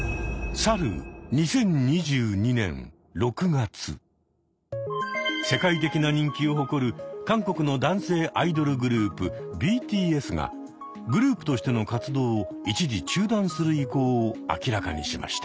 去る世界的な人気を誇る韓国の男性アイドルグループＢＴＳがグループとしての活動を一時中断する意向を明らかにしました。